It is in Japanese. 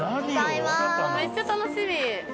めっちゃ楽しみ。